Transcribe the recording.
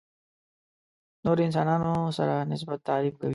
نورو انسانانو سره نسبت تعریف کوي.